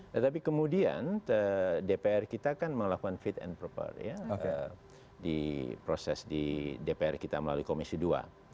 tetapi kemudian dpr kita kan melakukan fit and proper ya di proses di dpr kita melalui komisi dua